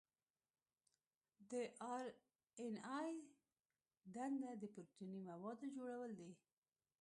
د آر این اې دنده د پروتیني موادو جوړول دي.